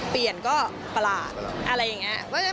เปลี่ยนก็ประหลาดอะไรอย่างนี้